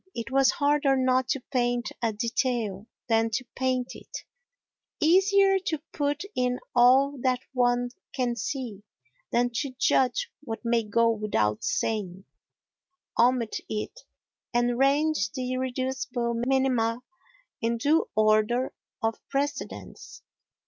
It was harder not to paint a detail than to paint it, easier to put in all that one can see than to judge what may go without saying, omit it and range the irreducible minima in due order of precedence.